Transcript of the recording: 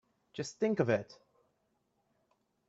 Just think of it!